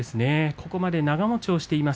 ここまで長もちをしています。